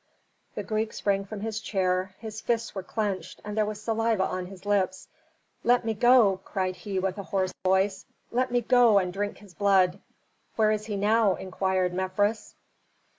The Greek sprang from his chair, his fists were clenched, and there was saliva on his lips. "Let me go!" cried he with a hoarse voice. "Let me go and drink his blood." "Where is he now?" inquired Mefres.